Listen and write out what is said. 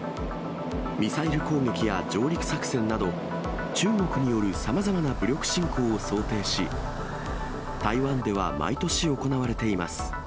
ミサイル攻撃や上陸作戦など、中国によるさまざまな武力侵攻を想定し、台湾では毎年行われています。